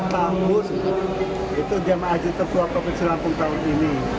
sembilan puluh empat tahun itu jamaah haji terkuat provinsi lampung tahun ini